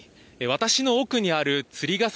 私の奥にある釣ヶ崎